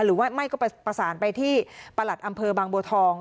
หรือไม่ก็ประสานไปที่ประหลัดอำเภอบางบัวทอง